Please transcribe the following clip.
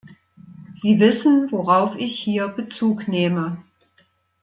Sie wissen, worauf ich hier Bezug nehme.